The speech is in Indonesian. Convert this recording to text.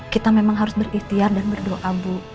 kita memang harus berikhtiar dan berdoa bu